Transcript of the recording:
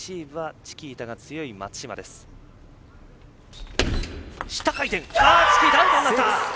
チキータ、アウトになった！